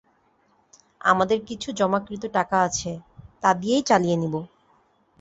আমাদের কিছু জমাকৃত টাকা আছে, তা দিয়েই চালিয়ে নিব।